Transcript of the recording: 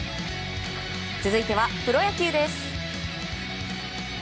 続いてはプロ野球です。